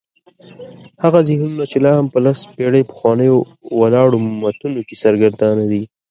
هغه ذهنونه چې لا هم په لس پېړۍ پخوانیو ولاړو متونو کې سرګردانه دي.